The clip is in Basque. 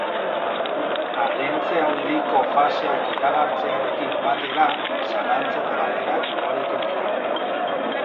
Arintze aldiko faseak iragartzearekin batera, zalantza eta galderak ugaritu dira.